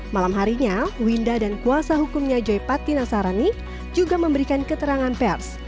malam harinya winda dan kuasa hukumnya joy patina sarani juga memberikan keterangan pers